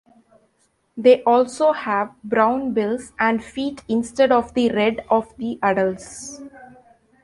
They also have brown bills and feet instead of the red of the adults.